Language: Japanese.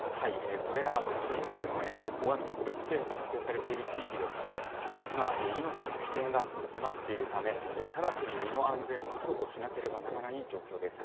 これらの地域では、大雨特別警報が発表されている地域では、今、命の危険が迫っているため、直ちに身の安全を確保しなければならない状況です。